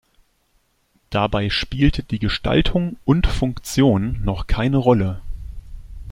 Dabei spielt die Gestaltung und Funktion noch keine Rolle.